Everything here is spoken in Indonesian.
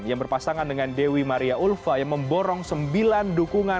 yang berpasangan dengan dewi maria ulfa yang memborong sembilan dukungan